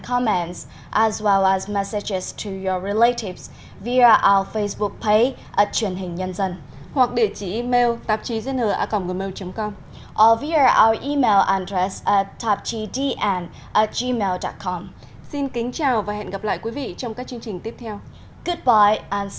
chương trình tạp chí đối ngoại tuần này của truyền hình nhân dân cũng xin được tạm dừng tại đây